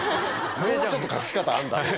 もうちょっと隠し方あるだろ。